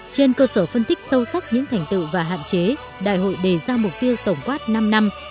trên cơ sở phân tích sâu sắc những thành tựu và hạn chế đại hội đề ra mục tiêu tổng quát năm năm hai nghìn một mươi sáu hai nghìn hai mươi